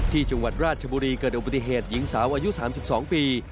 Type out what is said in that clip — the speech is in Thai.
ที่จังหวัดราชบุรีเกิดอุบัติเหตุหญิงสาวอายุ๓๒ปี